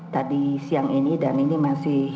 tadi siang ini dan ini masih